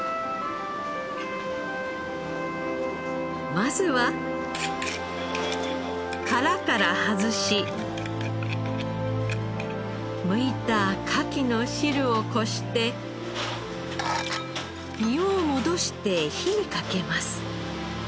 まずは殻から外しむいたカキの汁をこして身を戻して火にかけます。